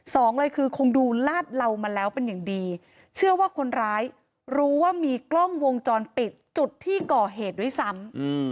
สองเลยคือคงดูลาดเหลามาแล้วเป็นอย่างดีเชื่อว่าคนร้ายรู้ว่ามีกล้องวงจรปิดจุดที่ก่อเหตุด้วยซ้ำ